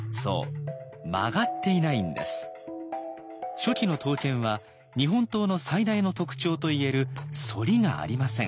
初期の刀剣は日本刀の最大の特徴と言える「反り」がありません。